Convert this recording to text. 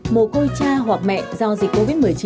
mồ côi cha hoặc mẹ do dịch covid một mươi chín